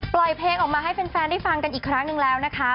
เพลงออกมาให้แฟนได้ฟังกันอีกครั้งหนึ่งแล้วนะคะ